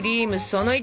その１。